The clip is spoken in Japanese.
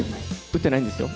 打ってないんですよ。